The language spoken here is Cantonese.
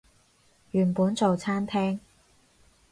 原本做餐廳